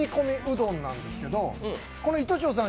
どんなんですけど、この糸庄さん